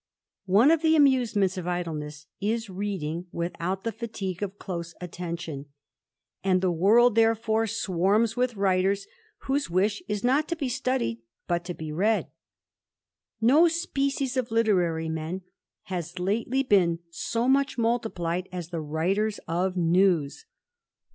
One of the amusements of idleness is reading without the fatigue of close attention ; and the world therefore swarms with writers whose wish is not to be studied, but to be read No species of literary men has lately been so much multiplied as the writers of news.